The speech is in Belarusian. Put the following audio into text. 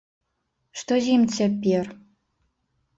Што з ім цяпер?